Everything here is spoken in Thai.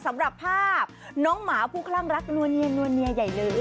สำหรับภาพน้องหมาผู้คลั่งรักนวลเนียนนวลเนียใหญ่เลย